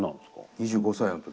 ２５歳の時。